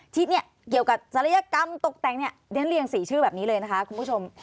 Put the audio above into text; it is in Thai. ที่เนี่ยเกี่ยวกับศัลยกรรมตกแต่งเนี่ยเรียนเรียง๔ชื่อแบบนี้เลยนะคะคุณผู้ชม